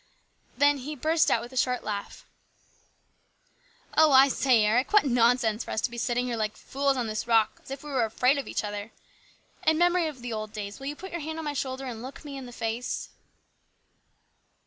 Then he burst out with a short laugh. " Oh, I say, Eric, what nonsense for us to be sitting here like fools on this rock as if we were afraid of each other ! In memory of the old days, will you put your hand on my shoulder and look me in the face?